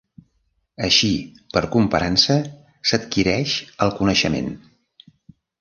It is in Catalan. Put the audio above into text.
Així per comparança s'adquireix el coneixement.